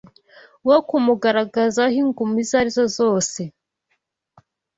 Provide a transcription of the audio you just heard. Wo kumugaragaza ho inguma izo arizo zose